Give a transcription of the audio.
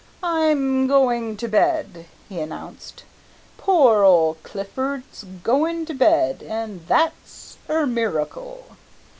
"I'm goin' to bed," he announced, "poor ole Clifford's goin' to bed, an' that's er miracle!"